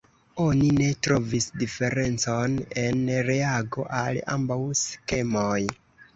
Oni ne trovis diferencon en reago al ambaŭ skemoj.